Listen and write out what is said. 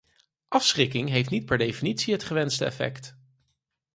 Afschrikking heeft niet per definitie het gewenste effect.